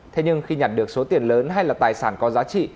thế nhưng khi nhận được số tiền lớn hay là tài sản có giá trị